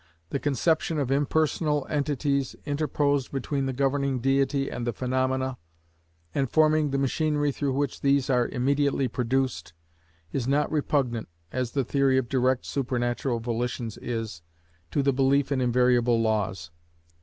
The conception of impersonal entities, interposed between the governing deity and the phaenomena, and forming the machinery through which these are immediately produced, is not repugnant, as the theory of direct supernatural volitions is, to the belief in invariable laws.